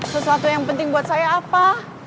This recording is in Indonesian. sesuatu yang penting buat saya apa